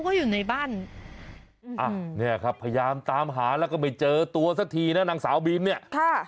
พูดเสียหายคาดเผิดเผยว่า